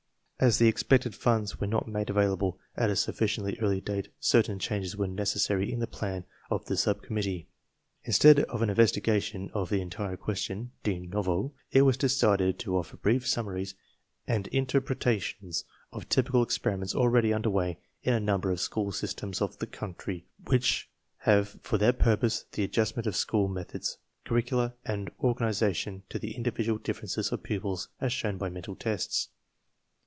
As the expected funds were not made available at a sufficiently early date, certain changes were necessary in the plans of the subcommittee. Instead of an investigation of the entire question, de novo, it was decided to offer brief summaries and inter pretations of typical experiments already under way in a number of school systems of the country which have for their purpose the adjustment of school meth ods, curricula, and organization to the individual differ ences of pupils as shown by mental tests.